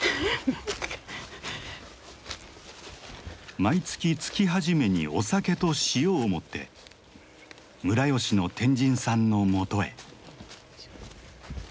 毎月月初めにお酒と塩を持って村吉の天神さんのもとへ。